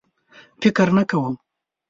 فکر نه کوم.